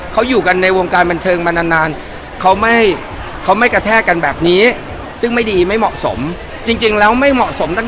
เขาอยู่กันในวงการบรรเทิงมานาน